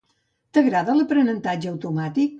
T'agrada l'aprenentatge automàtic?